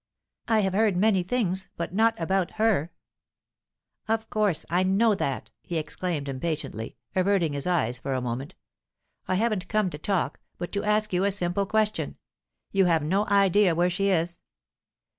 "I have heard many things, but not about her." "Of course, I know that!" he exclaimed impatiently, averting his eyes for a moment. "I haven't come to talk, but to ask you a simple question. You have no idea where she is?"